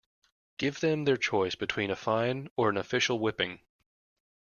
Give them their choice between a fine or an official whipping.